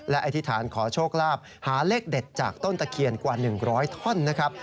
และอธิษฐานขอโชคลาภหาเลขเด็ดจากต้นตะเคียนกว่า๑๐๐ท่อนนะครับ